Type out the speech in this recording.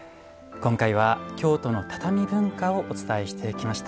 今回は京都の畳文化をお伝えしてきました。